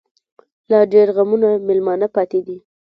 لا ډيـر غمـــــونه مېلـــمانه پــاتې دي